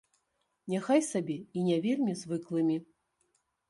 Няхай сабе і не вельмі звыклымі.